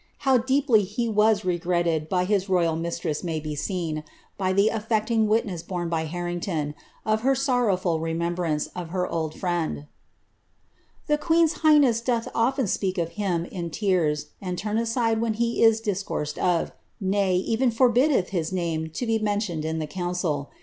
How deeply he was regretted by his royal mistress may be seen, by the aSccting witness borne by Harrington, of ber sorrowful remetubiaoce of her old friend. ''' The queen's highness doth often speak of him in tears, and turn aside when he is discoursed of, nay, even forbiddeUi hit name to be mentioned in the council.